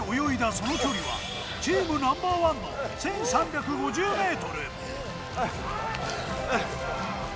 その距離は、チームナンバー１の１３５０メートル。